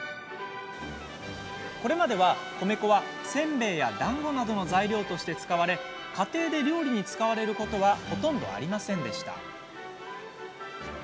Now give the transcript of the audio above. これまでは米粉は、せんべいやだんごなどの材料として使われ家庭で料理に使われることはほとんどありませんでした。